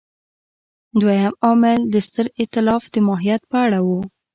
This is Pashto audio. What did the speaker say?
دویم عامل د ستر اېتلاف د ماهیت په اړه و.